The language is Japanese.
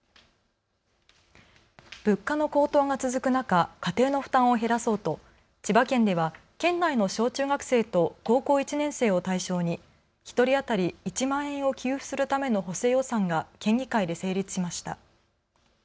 物価の高騰が続く中、家庭の負担を減らそうと千葉県では県内の小中学生と高校１年生を対象に１人当たり１万円を給付するための補正予算が県議会で成立しました。